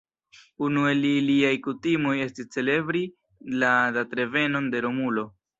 Unu el iliaj kutimoj estis celebri la datrevenon de Romulo.